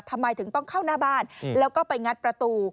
ทำไมถึงต้องเข้าหน้าบ้านแล้วก็ไปงัดประตู